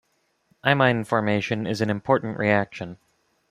Imine formation is an important reaction.